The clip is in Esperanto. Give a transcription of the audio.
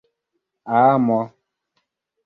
amo